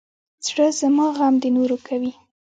زړه زما غم د نورو کوي.